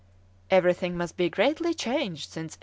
"Everything must be greatly changed since 1825!"